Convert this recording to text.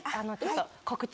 告知？